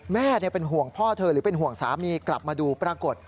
แม่เป็นห่วงพ่อเธอหรือเป็นห่วงสามีกลับมาดูปรากฏ